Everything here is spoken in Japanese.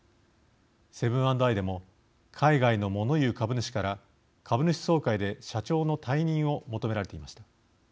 セブン＆アイでも海外の物言う株主から株主総会で社長の退任を求められていました。